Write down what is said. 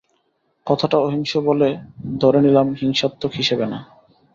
কথাটা অহিংস বলে ধরে নিলাম হিংসাত্মক হিসেবে না।